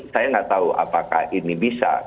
saya nggak tahu apakah ini bisa